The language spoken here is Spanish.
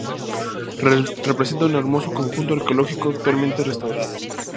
Representa un hermoso conjunto arqueológico, actualmente restaurado.